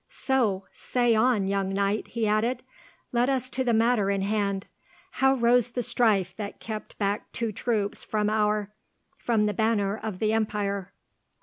So! Say on, young knight," he added, "let us to the matter in hand. How rose the strife that kept back two troops from our—from the banner of the empire?"